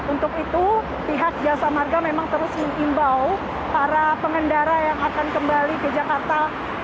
untuk itu pihak jasa marga memang terus mengimbau para pengendara yang akan kembali ke jakarta